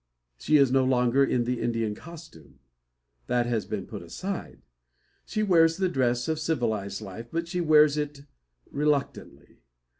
She is no longer in the Indian costume. That has been put aside. She wears the dress of civilised life, but she wears it reluctantly.